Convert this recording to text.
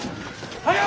早う！